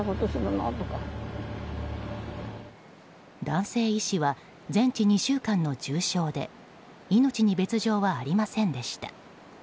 男性医師は全治２週間の重傷で命に別条はありませんでした。